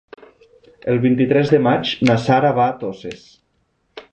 El vint-i-tres de maig na Sara va a Toses.